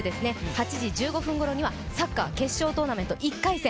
８時１５分ごろにはサッカー決勝トーナメント１回戦。